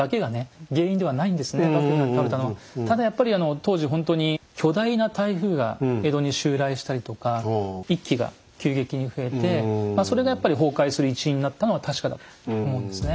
ただやっぱり当時ほんとに巨大な台風が江戸に襲来したりとか一揆が急激に増えてそれがやっぱり崩壊する一因になったのは確かだと思うんですね。